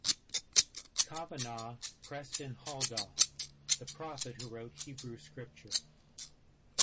Kavanagh, Preston Huldah - The Prophet Who Wrote Hebrew Scripture.